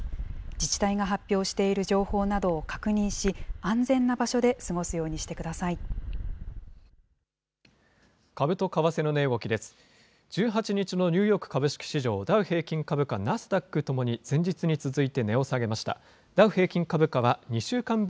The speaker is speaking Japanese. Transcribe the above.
自治体が発表している情報などを確認し、安全な場所で過ごすようにしてください。